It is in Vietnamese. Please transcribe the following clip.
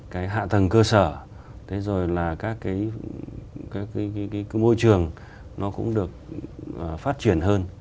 cái hạ tầng cơ sở các môi trường cũng được phát triển hơn